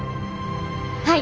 はい！